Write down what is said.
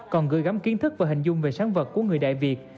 còn gửi gắm kiến thức và hình dung về sáng vật của người đại việt